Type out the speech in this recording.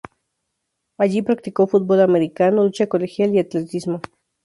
Allí practicó fútbol americano, lucha colegial y atletismo.